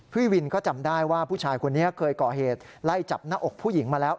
พี่วินก็จำได้ว่าผู้ชายคนนี้เคยก่อเหตุไล่จับหน้าอกผู้หญิงมาแล้ว